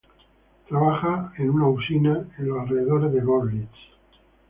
Trabajaba en una usina en los alrededores de Görlitz.